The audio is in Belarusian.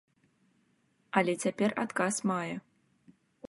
Але цяпер адказ мае.